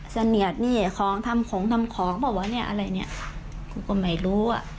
เสนียดนี่ของทำของทำของเปล่าวะเนี่ยอะไรเนี่ยกูก็ไม่รู้อ่ะ